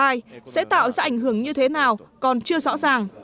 cả hai đều sẽ tạo ra ảnh hưởng như thế nào còn chưa rõ ràng